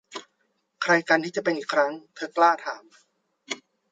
'ใครกันที่จะเป็นอีกครั้ง ? ' เธอกล้าถาม